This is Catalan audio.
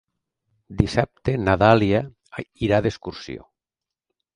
Dissabte na Dàlia irà d'excursió.